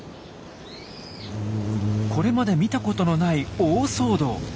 これまで見たことのない大騒動。